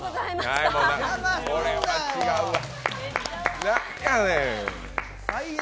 これは違うわ。